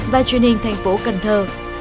và truyền hình thành phố cần thơ